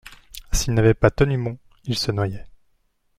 S’il n’avait pas tenu bon il se noyait.